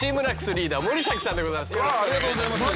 リーダー森崎さんでございます。